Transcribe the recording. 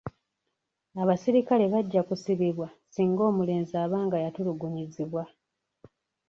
Abaserikale bajja kusibibwa singa omulenzi aba nga yatulugunyizibwa.